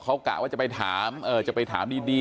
เขากะว่าจะไปถามจะไปถามดี